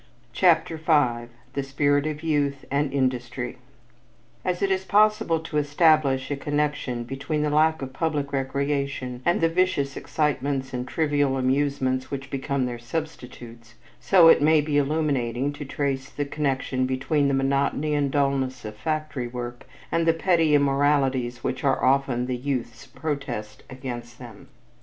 CHAPTER V THE SPIRIT OF YOUTH AND INDUSTRY As it is possible to establish a connection between the lack of public recreation and the vicious excitements and trivial amusements which become their substitutes, so it may be illuminating to trace the connection between the monotony and dullness of factory work and the petty immoralities which are often the youth's protest against them.